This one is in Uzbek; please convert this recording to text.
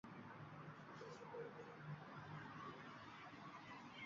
Uzoq Sharqdagi, ayniqsa Manchjuriyadagi vaziyat ham kishida xavotir uyg‘otadi